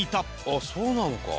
あっそうなのか。